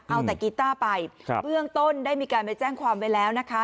เอาแต่กีต้าไปครับเบื้องต้นได้มีการไปแจ้งความไว้แล้วนะคะ